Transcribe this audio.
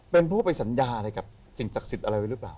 เป็นผู้ไปสัญญาอะไรกับสิ่งศักดิ์สิทธิ์อะไรไว้หรือเปล่า